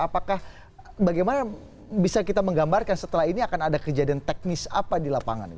apakah bagaimana bisa kita menggambarkan setelah ini akan ada kejadian teknis apa di lapangan